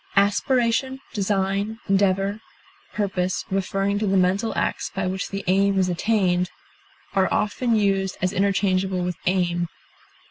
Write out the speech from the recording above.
Aspiration, design, endeavor, purpose, referring to the mental acts by which the aim is attained, are often used as interchangeable with aim.